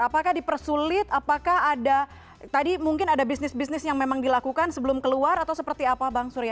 apakah dipersulit apakah ada tadi mungkin ada bisnis bisnis yang memang dilakukan sebelum keluar atau seperti apa bang surya